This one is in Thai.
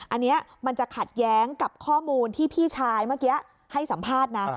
อันนี้มันจะขัดแย้งกับข้อมูลที่พี่ชายเมื่อกี้ให้สัมภาษณ์นะ